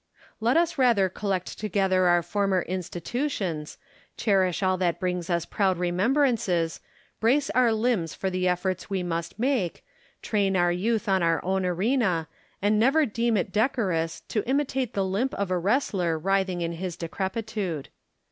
Let us rather collect together our former institutions, cherish all that brings us proud remembrances, brace our limbs for the efforts we must make, train our youth on our own arena, and never deem it decorous to imitate the limp of a wrestler writhing in his decrepitude.